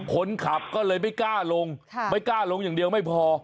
คนขับก็เลยไม่กล้าลงไม่กล้าลงอย่างเดียวไม่พอ